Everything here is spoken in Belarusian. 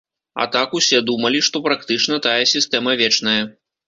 А так усе думалі, што практычна тая сістэма вечная.